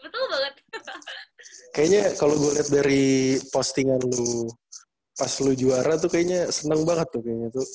kayaknya kalo gue liat dari postingan lu pas lu juara tuh kayaknya seneng banget tuh kayaknya tuh